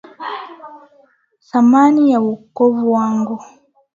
Thamani ya wokovu wangu